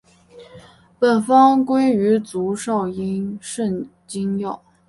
本方归于足少阴肾经药。